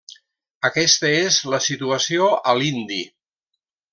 Aquesta és la situació a l'hindi.